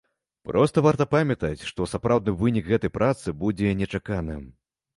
Проста варта памятаць, што сапраўдны вынік гэтай працы будзе нечаканым.